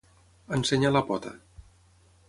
Ensenyar la pota.